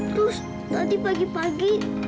terus tadi pagi pagi